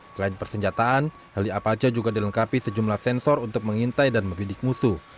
selain persenjataan heli apalco juga dilengkapi sejumlah sensor untuk mengintai dan membidik musuh